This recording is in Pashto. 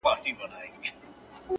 څه دي زده نه کړه د ژوند په مدرسه کي،